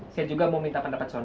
saya juga mau minta pendapat soalnya